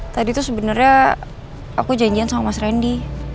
tadi tuh sebenarnya aku janjian sama mas randy